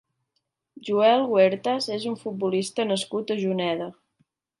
Joel Huertas és un futbolista nascut a Juneda.